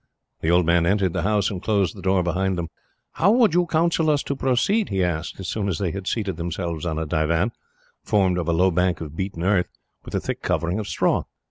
The old man entered the house, and closed the door behind them. "How would you counsel us to proceed?" he asked, as soon as they had seated themselves on a divan, formed of a low bank of beaten earth, with a thick covering of straw.